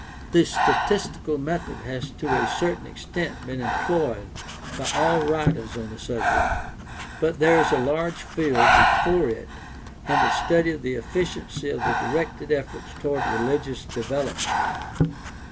The statistical method has to a certain extent been employed by all writers on the subject, but there is a large field before it in the study of the efficiency of the directed efforts toward religious develop ment.